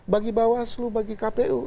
bagi bawaslu bagi kpu